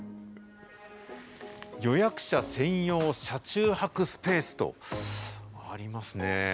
予約者専用車中泊スペースとありますね。